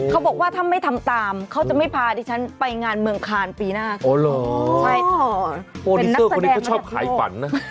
เขาบอกว่าถ้าไม่ทำตามเขาจะไม่พาที่ฉันไปงานเมืองคารปีหน้า